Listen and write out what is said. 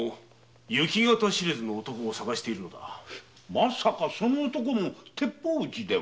まさかその男も鉄砲撃ちでは？